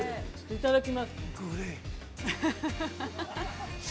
◆いただきます。